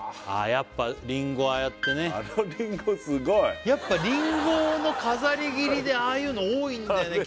やっぱリンゴをああやってねあのリンゴすごいやっぱリンゴの飾り切りでああいうの多いんだよね